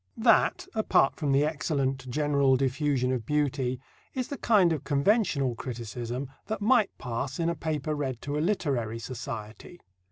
That, apart from the excellent "general diffusion of beauty," is the kind of conventional criticism that might pass in a paper read to a literary society.